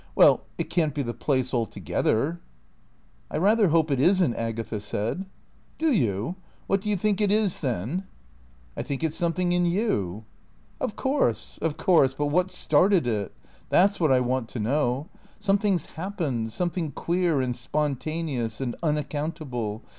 Well it can't be the place altogether." "I rather hope it isn't," Agatha said. "Do you? What do you think it is, then?" "I think it's something in you." "Of course, of course. But what started it? That's what I want to know. Something's happened. Something queer and spontaneous and unaccountable.